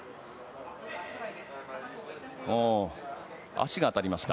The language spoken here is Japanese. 足が当たりました。